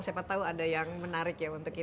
siapa tahu ada yang menarik ya untuk ini